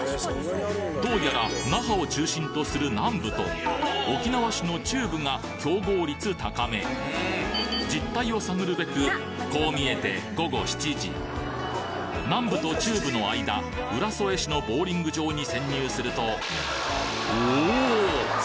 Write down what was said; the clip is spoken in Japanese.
どうやら那覇を中心とする南部と沖縄市の中部が競合率高め実態を探るべくこう見えて午後７時南部と中部の間浦添市のボウリング場に潜入するとおぉ！